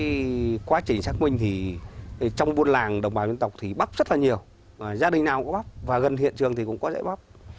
trong quá trình xác minh thì trong vùng làng đồng bào dân tộc thì bắp rất là nhiều gia đình nào cũng có bắp và gần hiện trường thì cũng có rễ bắp